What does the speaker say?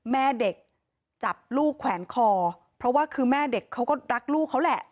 แม่เด็กจับลูกแขวนคอเพราะว่าคือแม่เด็กเขาก็รักลูกเขาแหละ